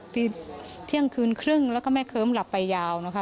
เที่ยงคืนครึ่งแล้วก็แม่เคิ้มหลับไปยาวนะคะ